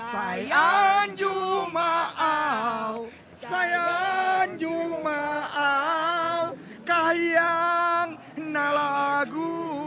saya anjum ma'au saya anjum ma'au kah yang nalagu